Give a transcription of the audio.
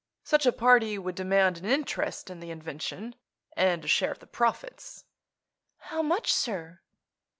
Such a party would demand an interest in the invention, and a share of the profits." "How much, sir?"